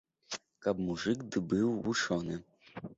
Каб мужык ды быў вучоны.